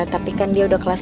tapi kan dia udah kelas